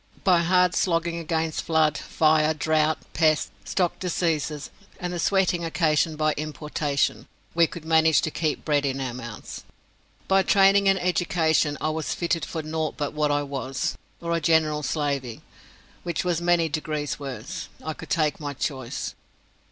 By hard slogging against flood, fire, drought, pests, stock diseases, and the sweating occasioned by importation, we could manage to keep bread in our mouths. By training and education I was fitted for nought but what I was, or a general slavey, which was many degrees worse. I could take my choice.